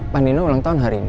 panino ulang tahun hari ini